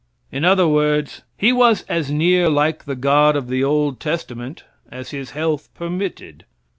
In other words, he was as near like the God of the old testament as his Health permitted.